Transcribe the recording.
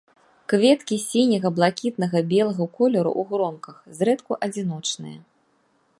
Кветкі сіняга, блакітнага, белага колеру, у гронках, зрэдку адзіночныя.